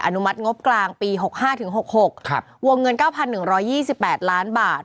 นุมัติงบกลางปี๖๕ถึง๖๖วงเงิน๙๑๒๘ล้านบาท